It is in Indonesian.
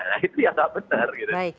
nah itu ya tak benar